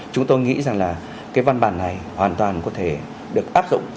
chúng tôi nghĩ rằng là cái văn bản này hoàn toàn có thể được áp dụng